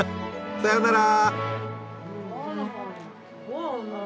さよなら。